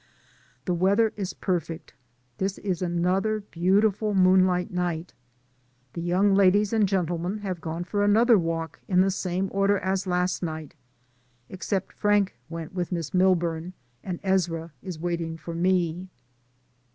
The weather is perfect; this is another beautiful moonlight night. The young ladies and gentlemen have gone for another walk in the same order as last night, except Frank went with Miss Milburn, and Ezra is wait ing for me.